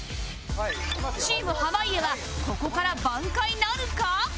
チーム濱家はここから挽回なるか？